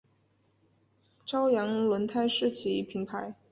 朝阳轮胎是其品牌。